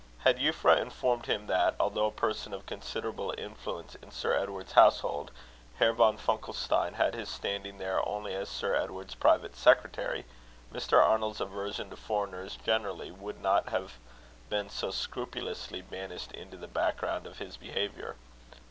Had Euphra informed him that, although a person of considerable influence in Sir Edward's household, Herr von Funkelstein had his standing there only as Sir Edward's private secretary, Mr. Arnold's aversion to foreigners generally would not have been so scrupulously banished into the background of his behaviour.